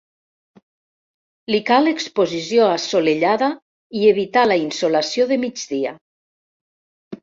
Li cal exposició assolellada i evitar la insolació de migdia.